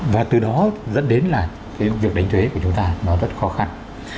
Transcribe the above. và từ đó dẫn đến là cái việc đánh thuế của chúng ta nó rất khó khăn